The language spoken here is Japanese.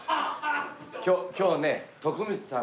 今日ね徳光さんの。